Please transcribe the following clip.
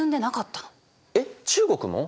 えっ中国も？